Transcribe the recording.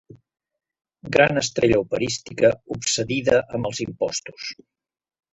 Gran estrella operística obsedida amb els impostos.